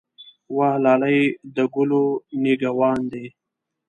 وه لالی د ګلو نګه وان دی.